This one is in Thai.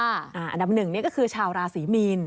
อันดับหนึ่งนี่ก็คือชาวราศีมีน